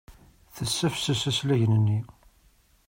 Tessafses aslagen-nni.